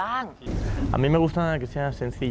แบบชอบผู้หญิงง่ายเรียบนะครับ